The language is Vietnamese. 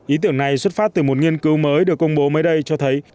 ý tưởng này xuất phát từ một nghiên cứu mới được công bố mới đây cho thấy